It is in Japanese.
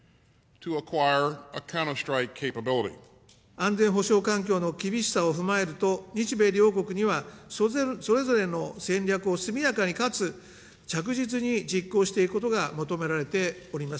安全保障環境の厳しさを踏まえると、日米両国にはそれぞれの戦略を速やかにかつ着実に実行していくことが求められております。